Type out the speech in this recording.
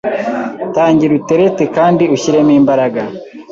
Tangira uterete kandi ushyiremo imbaraga